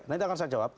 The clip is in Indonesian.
nanti akan saya jawab